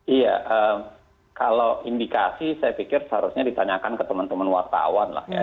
iya kalau indikasi saya pikir seharusnya ditanyakan ke teman teman wartawan lah ya